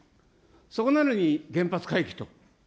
それなのに原発回帰と。